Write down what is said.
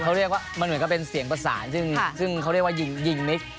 เขาเรียกว่ามันเหมือนกับเป็นเสียงประสานซึ่งเขาเรียกว่ายิงมิก